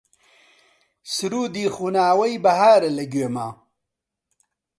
سروودی خوناوەی بەهارە لە گوێما